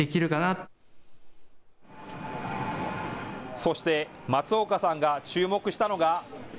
そして、松岡さんが注目したのが。